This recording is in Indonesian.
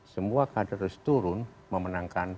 semua kader seturun memenangkan